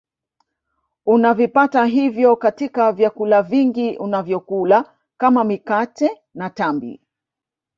Unavipata hivyo katika vyakula vingi unavyokula kama mikate na tambi